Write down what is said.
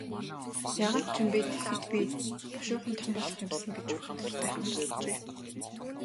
Яагаад ч юм бэ, тэгэхэд би бушуухан том болох юм сан гэж уйтгартайхан боджээ.